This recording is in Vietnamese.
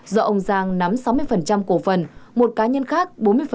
do ông giang nắm sáu mươi cổ phần một cá nhân khác bốn mươi